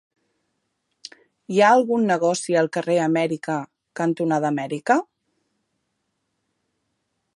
Hi ha algun negoci al carrer Amèrica cantonada Amèrica?